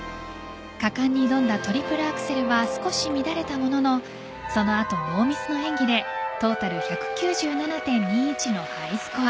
果敢に挑んだトリプルアクセルが少し乱れたもののその後、ノーミスの演技でトータル１９７．２１のハイスコア。